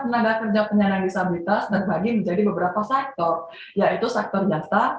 tenaga kerja penyandang disabilitas terbagi menjadi beberapa sektor yaitu sektor jasa